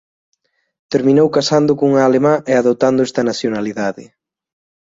Terminou casando cunha alemá e adoptando esta nacionalidade.